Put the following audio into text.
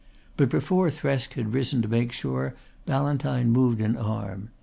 But before Thresk had risen to make sure Ballantyne moved an arm.